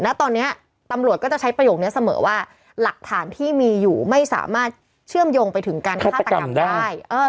ณตอนนี้ตำรวจก็จะใช้ประโยคนี้เสมอว่าหลักฐานที่มีอยู่ไม่สามารถเชื่อมโยงไปถึงการฆาตกรรมได้